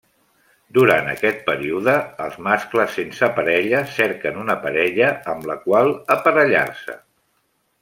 Durant aquest període, els mascles sense parella cerquen una parella amb la qual aparellar-se.